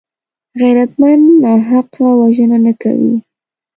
غیرتمند ناحقه وژنه نه کوي